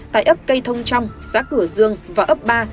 tại ấp cây thông trong xã cửa dương và ấp ba